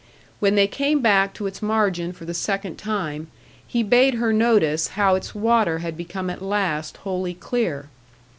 When they came back to its margin for the second time, he bade her notice how its water had become at last wholly clear.